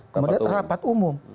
kemudian rapat umum